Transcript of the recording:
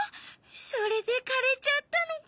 それでかれちゃったのか。